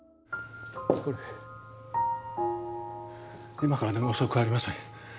今からでも遅くありません。